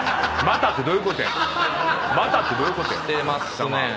「また」ってどういうことや貴様。